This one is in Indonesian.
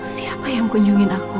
siapa yang kunjungin aku